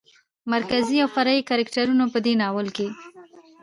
مرکزي او فرعي کرکترونو په دې ناول کې